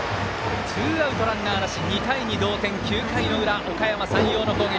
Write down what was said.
ツーアウト、ランナーなし２対２、同点９回の裏、おかやま山陽の攻撃。